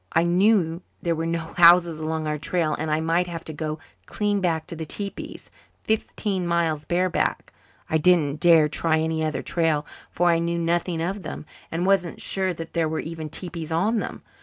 I knew there were no houses along our trail and I might have to go clean back to the tepees fifteen miles bareback. I didn't dare try any other trail, for I knew nothing of them and wasn't sure that there were even tepees on them.